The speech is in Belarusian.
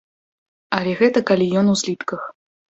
Але гэта калі ён у злітках.